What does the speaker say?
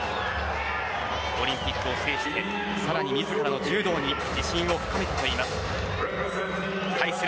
オリンピックを制してさらに自らの柔道に自信を持っています。